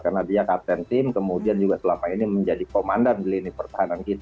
karena dia kapten tim kemudian juga selama ini menjadi komandan di lini pertahanan